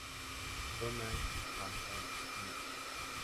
Donald Marshall Jr.